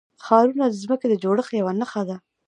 ښارونه د ځمکې د جوړښت یوه نښه ده.